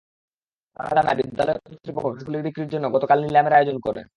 তারা জানায়, বিদ্যালয় কর্তৃপক্ষ গাছগুলো বিক্রির জন্য গতকাল নিলামের আয়োজন করে।